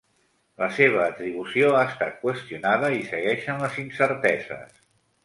La seva atribució ha estat qüestionada i segueixen les incerteses.